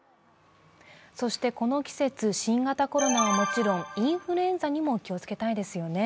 そしてこの季節、新型コロナはもちろんインフルエンザにも気をつけたいですね。